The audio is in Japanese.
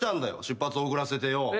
出発遅らせてよ。